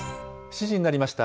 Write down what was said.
７時になりました。